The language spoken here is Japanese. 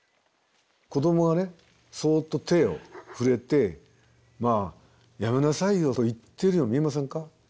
子どもがそっと手を触れて「まあやめなさいよ」と言っているように見えませんか？